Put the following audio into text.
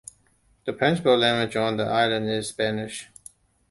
The principal language on the islands is Spanish.